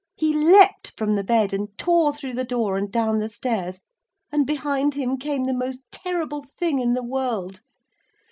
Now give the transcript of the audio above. He leaped from the bed and tore through the door and down the stairs, and behind him came the most terrible thing in the world.